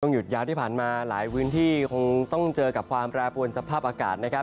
หยุดยาวที่ผ่านมาหลายพื้นที่คงต้องเจอกับความแปรปวนสภาพอากาศนะครับ